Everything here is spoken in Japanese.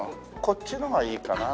こっちのがいいかな？